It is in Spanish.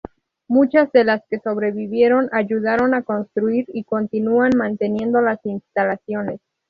Muchas de las que sobrevivieron ayudaron a construir y continúan manteniendo las instalaciones.